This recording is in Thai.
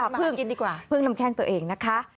พึ่งกินดีกว่าพึ่งลำแข้งตัวเองนะคะ